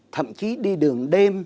thậm chí đi đường đêm